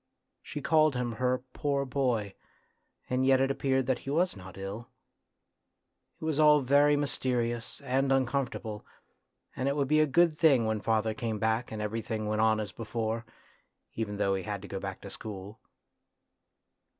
She called him her poor boy, and yet it appeared that he was not ill. It was all very mysterious and uncomfortable, and it would be a good thing when father came back and everything went on as before, even though he had to go back to school.